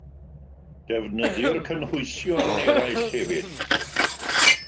Defnyddir cynhwysion eraill hefyd.